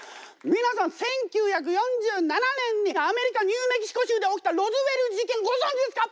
皆さん１９４７年にアメリカ・ニューメキシコ州で起きたロズウェル事件ご存じですか？